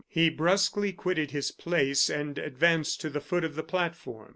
He brusquely quitted his place, and advanced to the foot of the platform.